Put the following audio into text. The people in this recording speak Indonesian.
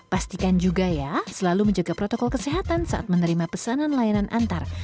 pastikan juga ya selalu menjaga protokol kesehatan saat menerima pesanan layanan antar